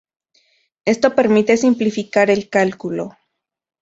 Esto permite simplificar el cálculo.